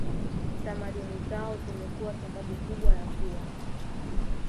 tamaduni zao zimekuwa sababu kubwa ya kuwa